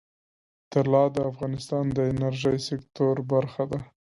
طلا د افغانستان د انرژۍ سکتور برخه ده.